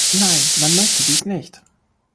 Nein, man möchte dies nicht!